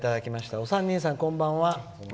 「お三人さん、こんばんは。